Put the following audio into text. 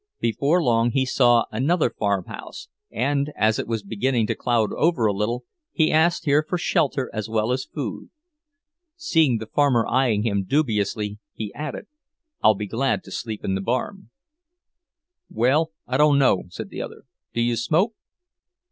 Before long he saw another farmhouse, and, as it was beginning to cloud over a little, he asked here for shelter as well as food. Seeing the farmer eying him dubiously, he added, "I'll be glad to sleep in the barn." "Well, I dunno," said the other. "Do you smoke?"